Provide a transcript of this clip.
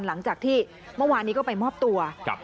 หลังจากที่เมื่อวานนี้ก็ไปมอบตัว